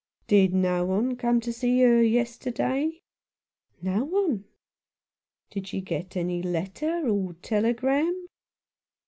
" Did no one come to see her yesterday ?" "No one." " Did she get any letter or telegram